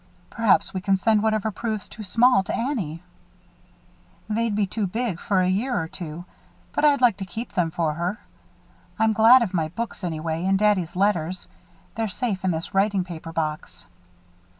"Perhaps we can send whatever proves too small to Annie." "They'd be too big, for a year or two; but I'd like to keep them for her. I'm glad of my books, anyway, and daddy's letters they're safe in this writing paper box."